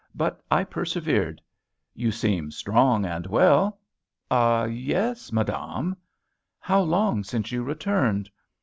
But I persevered, "You seem strong and well." "Ah, yes, madame!" "How long since you returned?"